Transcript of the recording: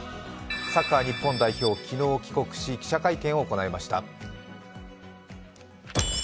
サッカー日本代表、昨日帰国し記者会見を行いました。